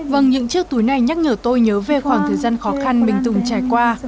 vâng những chiếc túi này nhắc nhở tôi nhớ về khoảng thời gian khó khăn mình từng trải qua